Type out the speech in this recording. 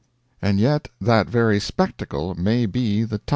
And yet that very spectacle may be the Taj.